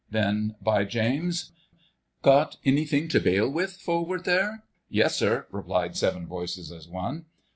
Then, by James— "Got anything to bail with, forward there?" "Yessir!" replied seven voices as one.